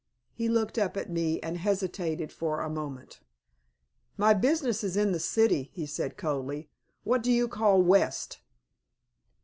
He looked up at me and hesitated for a moment. "My business is in the city," he said, coldly. "What do you call West?"